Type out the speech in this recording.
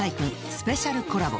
スペシャルコラボ